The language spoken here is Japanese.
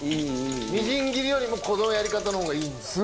みじん切りよりもこのやり方のほうがいいんですか。